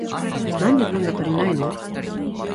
なんで文が足りないの？